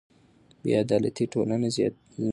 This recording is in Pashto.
بې عدالتي ټولنه زیانمنوي.